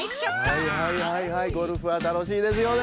はいはいはいはいゴルフはたのしいですよね。